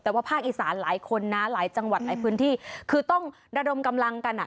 แต่ว่าภาคอีสานหลายคนนะหลายจังหวัดหลายพื้นที่คือต้องระดมกำลังกันอ่ะ